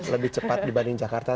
lebih cepat dibanding jakarta